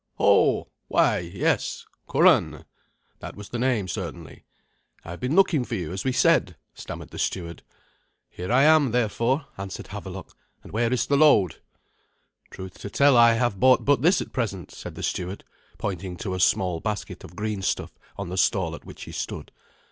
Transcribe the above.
"Ho why, yes Curan that was the name certainly. I have been looking for you, as we said," stammered the steward. "Here am I, therefore," answered Havelok, "and where is the load?" "Truth to tell, I have bought but this at present," said the steward, pointing to a small basket of green stuff on the stall at which he stood.